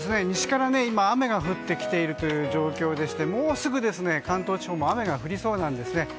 西から雨が降ってきている状況でしてもうすぐ関東地方も雨が降りそうです。